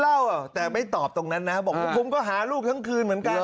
เล่าอ่ะแต่ไม่ตอบตรงนั้นนะบอกผมก็หาลูกทั้งคืนเหมือนกัน